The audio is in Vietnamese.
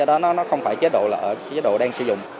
do đó nó không phải chế độ là chế độ đang sử dụng